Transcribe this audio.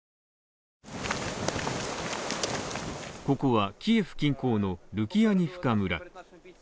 ここはキエフ近郊のルキアニフカ村。